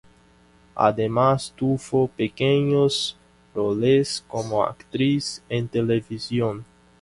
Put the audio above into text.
Además, tuvo pequeños roles como actriz en televisión.